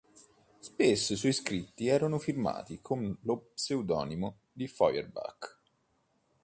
Spesso i suoi scritti erano firmati con lo pseudonimo di Feuerbach.